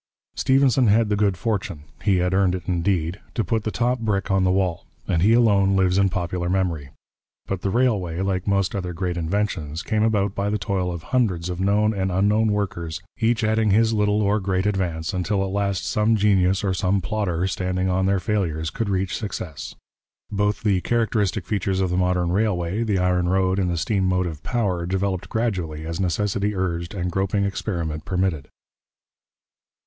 Stephenson had the good fortune, he had earned it indeed, to put the top brick on the wall, and he alone lives in popular memory. But the railway, like most other great inventions, came about by the toil of hundreds of known and unknown workers, each adding his little or great advance, until at last some genius or some plodder, standing on their failures, could reach success. Both the characteristic features of the modern railway, the iron road and the steam motive power, developed gradually as necessity urged and groping experiment permitted.